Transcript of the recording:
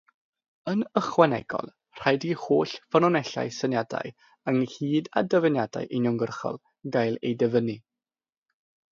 Yn ychwanegol, rhaid i holl ffynonellau syniadau ynghyd â dyfyniadau uniongyrchol gael eu dyfynnu.